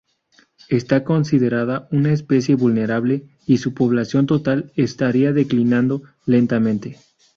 Esta considerada una especie vulnerable, y su población total estaría declinando lentamente.